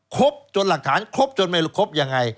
ครบจนหลักฐานครบยังไง